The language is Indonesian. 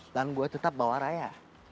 dan gue tetap bawa raya